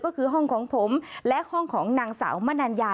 ก็คือห้องของผมและห้องของนางสาวมนัญญา